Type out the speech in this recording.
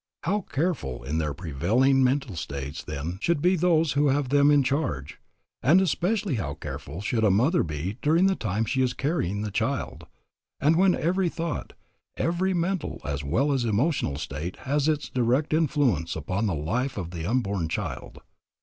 How careful in their prevailing mental states then should be those who have them in charge, and especially how careful should a mother be during the time she is carrying the child, and when every thought, every mental as well as emotional state has its direct influence upon the life of the unborn child.